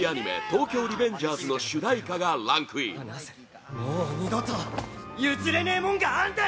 「東京リベンジャーズ」の主題歌がランクインタケミチ：